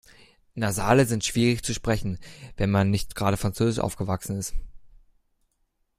Nasale sind schwierig zu sprechen, wenn man nicht gerade französisch aufgewachsen ist.